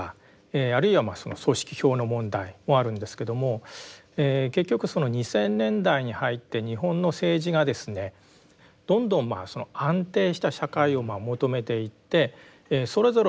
あるいは組織票の問題もあるんですけども結局２０００年代に入って日本の政治がですねどんどん安定した社会を求めていってそれぞれの政党が組織票を重視しますね。